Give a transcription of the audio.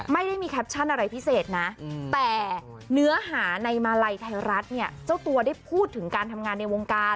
ไม่ได้มีแคปชั่นอะไรพิเศษนะแต่เนื้อหาในมาลัยไทยรัฐเนี่ยเจ้าตัวได้พูดถึงการทำงานในวงการ